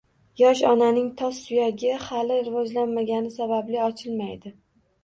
Yosh onaning tos suyagi hali rivojlanmagani sababli, ochilmaydi